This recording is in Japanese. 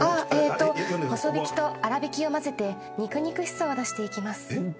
細びきと粗びきを混ぜて肉々しさを出していきます。